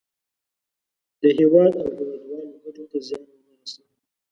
د هېواد او هېوادوالو ګټو ته زیان ونه رسوي.